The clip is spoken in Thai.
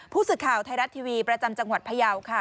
ผู้สื่อข่าวไทยรัฐทีวีประจำจังหวัดพยาวค่ะ